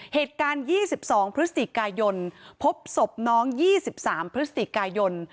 เหตุการณ์ยี่สิบสองพฤษฎิกายนพบศพน้องยี่สิบสามพฤษฎิกายน